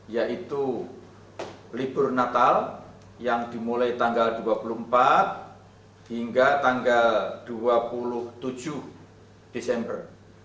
yaitu libur natal yang dimulai tanggal dua puluh empat hingga tanggal dua puluh tujuh desember